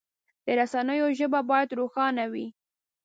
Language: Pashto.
د رسنیو ژبه باید روښانه وي.